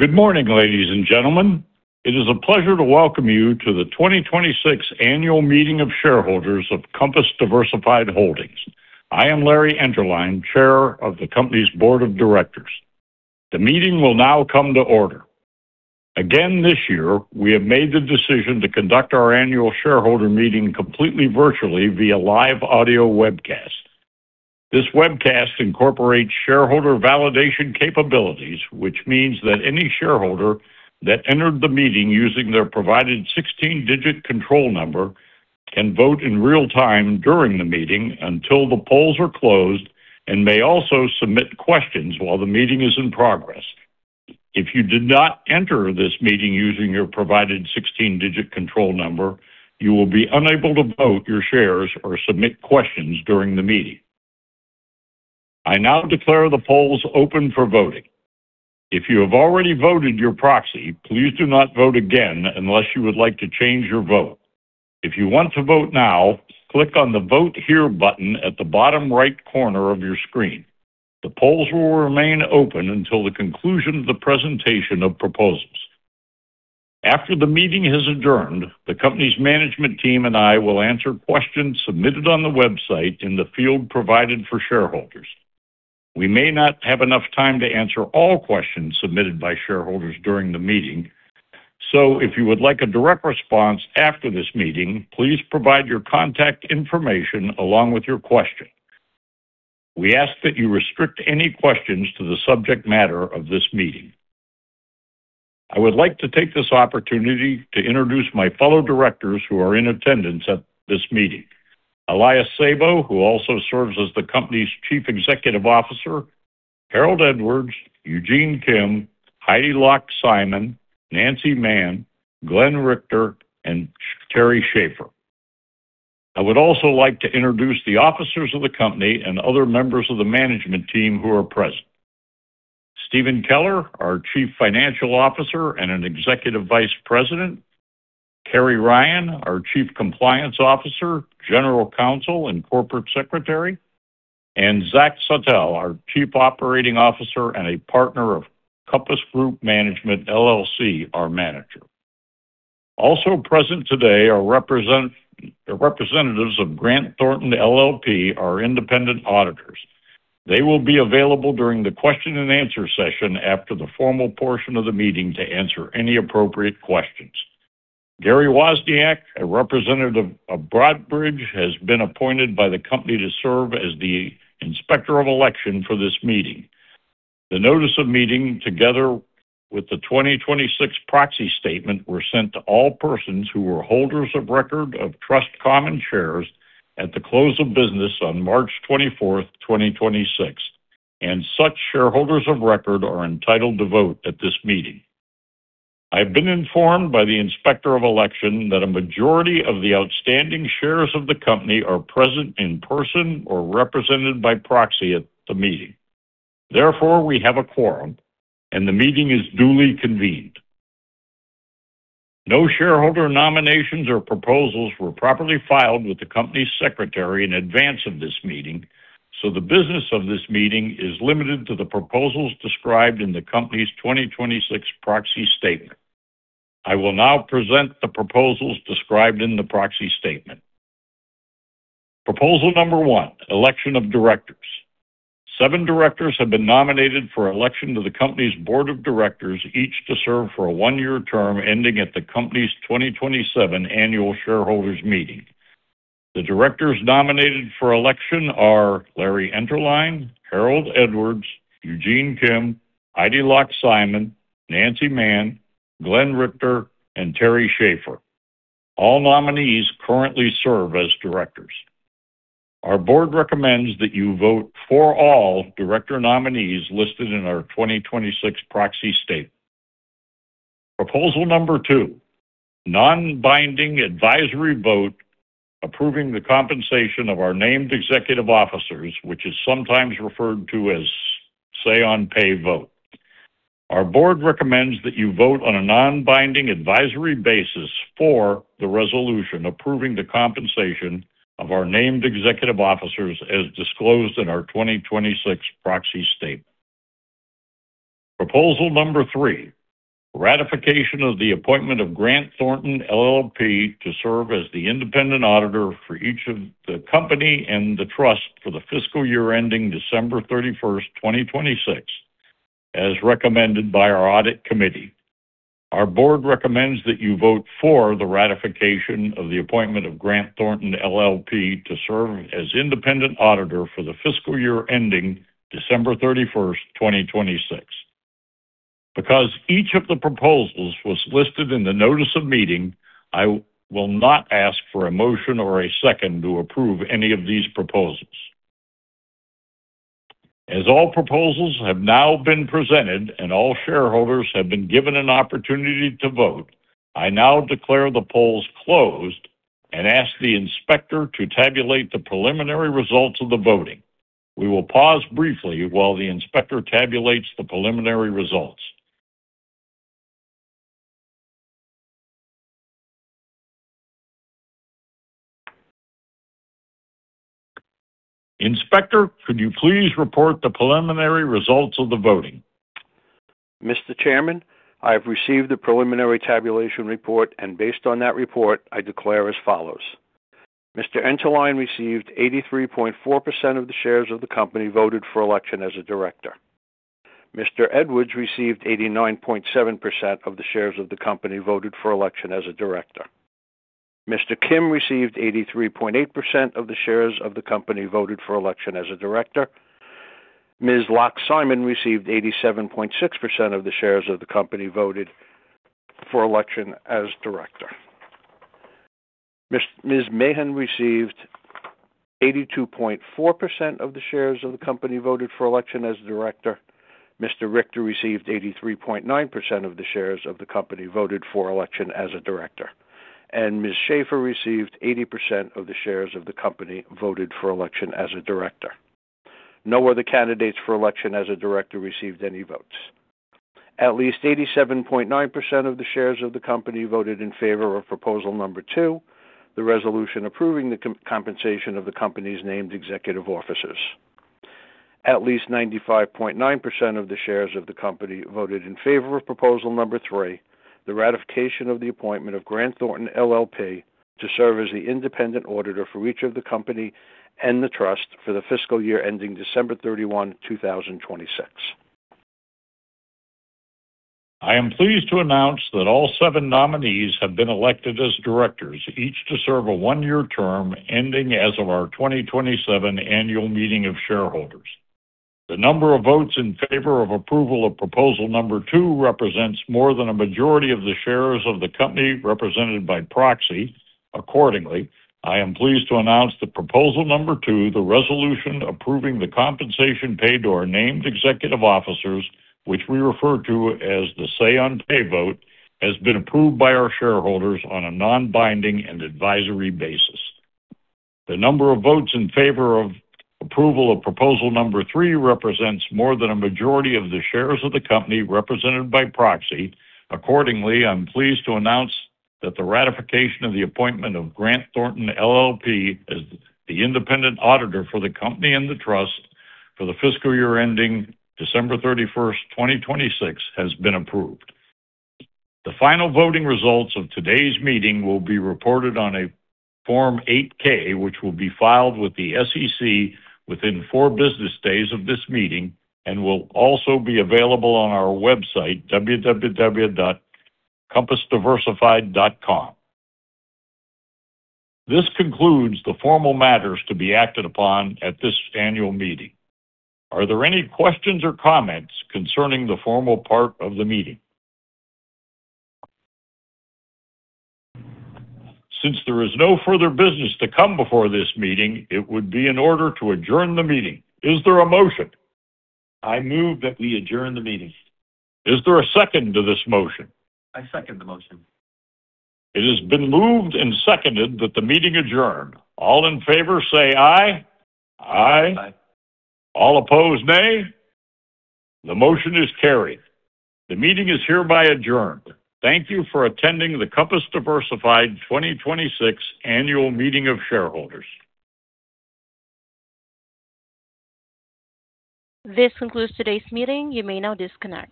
Good morning, ladies and gentlemen. It is a pleasure to welcome you to the 2026 annual meeting of shareholders of Compass Diversified Holdings. I am Larry Enterline, Chair of the company's Board of Directors. The meeting will now come to order. Again, this year, we have made the decision to conduct our annual shareholder meeting completely virtually via live audio webcast. This webcast incorporates shareholder validation capabilities, which means that any shareholder that entered the meeting using their provided 16-digit control number can vote in real time during the meeting until the polls are closed and may also submit questions while the meeting is in progress. If you did not enter this meeting using your provided 16-digit control number, you will be unable to vote your shares or submit questions during the meeting. I now declare the polls open for voting. If you have already voted your proxy, please do not vote again unless you would like to change your vote. If you want to vote now, click on the Vote Here button at the bottom right corner of your screen. The polls will remain open until the conclusion of the presentation of proposals. After the meeting has adjourned, the company's management team and I will answer questions submitted on the website in the field provided for shareholders. We may not have enough time to answer all questions submitted by shareholders during the meeting. If you would like a direct response after this meeting, please provide your contact information along with your question. We ask that you restrict any questions to the subject matter of this meeting. I would like to take this opportunity to introduce my fellow directors who are in attendance at this meeting. Elias Sabo, who also serves as the company's Chief Executive Officer, Harold Edwards, Eugene Kim, Heidi Locke Simon, Nancy Mahon, Glenn Richter, and Teri Shaffer. I would also like to introduce the Officers of the company and other members of the management team who are present. Stephen Keller, our Chief Financial Officer and an Executive Vice President, Carrie Ryan, our Chief Compliance Officer, General Counsel, and Corporate Secretary, and Zach Sawtelle, our Chief Operating Officer and a Partner of Compass Group Management LLC, our manager. Also present today are representatives of Grant Thornton LLP, our independent auditors. They will be available during the question and answer session after the formal portion of the meeting to answer any appropriate questions. [Gary Wozniak], a representative of Broadridge, has been appointed by the company to serve as the Inspector of Election for this meeting. The notice of meeting, together with the 2026 proxy statement, were sent to all persons who were holders of record of trust common shares at the close of business on March 24th, 2026, and such shareholders of record are entitled to vote at this meeting. I've been informed by the Inspector of Election that a majority of the outstanding shares of the company are present in person or represented by proxy at the meeting. Therefore, we have a quorum, and the meeting is duly convened. No shareholder nominations or proposals were properly filed with the company's secretary in advance of this meeting, so the business of this meeting is limited to the proposals described in the company's 2026 proxy statement. I will now present the proposals described in the proxy statement. Proposal Number 1, Election of Directors. Seven directors have been nominated for election to the company's board of directors, each to serve for a one-year term ending at the company's 2027 annual shareholders meeting. The directors nominated for election are Larry Enterline, Harold Edwards, Eugene Kim, Heidi Locke Simon, Nancy Mahon, Glenn Richter, and Teri Shaffer. All nominees currently serve as directors. Our board recommends that you vote for all director nominees listed in our 2026 proxy statement. Proposal Number 2, non-binding advisory vote approving the compensation of our named executive officers, which is sometimes referred to as Say-on-Pay vote. Our board recommends that you vote on a non-binding advisory basis for the resolution approving the compensation of our named executive officers as disclosed in our 2026 proxy statement. Proposal Number 3, ratification of the appointment of Grant Thornton LLP to serve as the independent auditor for each of the company and the trust for the fiscal year ending December 31st, 2026, as recommended by our audit committee. Our board recommends that you vote for the ratification of the appointment of Grant Thornton LLP to serve as independent auditor for the fiscal year ending December 31st, 2026. Each of the proposals was listed in the notice of meeting, I will not ask for a motion or a second to approve any of these proposals. All proposals have now been presented and all shareholders have been given an opportunity to vote, I now declare the polls closed and ask the inspector to tabulate the preliminary results of the voting. We will pause briefly while the inspector tabulates the preliminary results. Inspector, could you please report the preliminary results of the voting? Mr. Chairman, I have received the preliminary tabulation report, and based on that report, I declare as follows: Mr. Enterline received 83.4% of the shares of the company voted for election as a director. Mr. Edwards received 89.7% of the shares of the company voted for election as a director. Mr. Kim received 83.8% of the shares of the company voted for election as a director. Ms. Locke Simon received 87.6% of the shares of the company voted for election as director. Ms. Mahon received 82.4% of the shares of the company voted for election as director. Mr. Richter received 83.9% of the shares of the company voted for election as a director, and Ms. Shaffer received 80% of the shares of the company voted for election as a director. No other candidates for election as a director received any votes. At least 87.9% of the shares of the company voted in favor of Proposal Number 2, the resolution approving the compensation of the company's named executive officers. At least 95.9% of the shares of the company voted in favor of Proposal Number 3, the ratification of the appointment of Grant Thornton LLP to serve as the independent auditor for each of the company and the trust for the fiscal year ending December 31, 2026. I am pleased to announce that all seven nominees have been elected as directors, each to serve a one-year term ending as of our 2027 Annual Meeting of Shareholders. The number of votes in favor of approval of Proposal Number 2 represents more than a majority of the shares of the company represented by proxy. Accordingly, I am pleased to announce that Proposal Number 2, the resolution approving the compensation paid to our named executive officers, which we refer to as the Say-on-Pay vote, has been approved by our shareholders on a non-binding and advisory basis. The number of votes in favor of approval of Proposal Number 3 represents more than a majority of the shares of the company represented by proxy. Accordingly, I'm pleased to announce that the ratification of the appointment of Grant Thornton LLP as the independent auditor for the company and the trust for the fiscal year ending December 31st, 2026, has been approved. The final voting results of today's meeting will be reported on a Form 8-K, which will be filed with the SEC within four business days of this meeting and will also be available on our website, www.compassdiversified.com. This concludes the formal matters to be acted upon at this annual meeting. Are there any questions or comments concerning the formal part of the meeting? Since there is no further business to come before this meeting, it would be in order to adjourn the meeting. Is there a motion? I move that we adjourn the meeting. Is there a second to this motion? I second the motion. It has been moved and seconded that the meeting adjourn. All in favor say aye. Aye. All opposed, nay. The motion is carried. The meeting is hereby adjourned. Thank you for attending the Compass Diversified 2026 Annual Meeting of Shareholders. This concludes today's meeting. You may now disconnect.